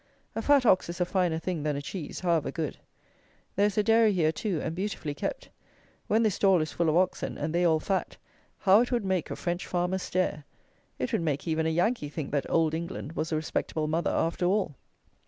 A fat ox is a finer thing than a cheese, however good. There is a dairy here too, and beautifully kept. When this stall is full of oxen, and they all fat, how it would make a French farmer stare! It would make even a Yankee think that "Old England" was a respectable "mother" after all.